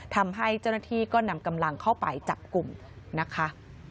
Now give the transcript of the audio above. ทำให้เจ้าหน้าที่ก็นำกำลังเข้าไปจับกลุ่มนะคะ